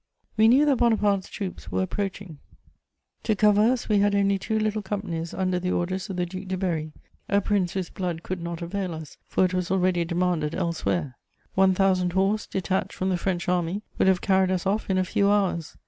We knew that Bonaparte's troops were approaching; to cover us we had only two little companies under the orders of the Duc de Berry, a Prince whose blood could not avail us, for it was already demanded elsewhere. One thousand horse, detached from the French army, would have carried us off in a few hours.